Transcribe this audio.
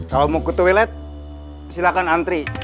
kalau mau ke toilet silahkan antri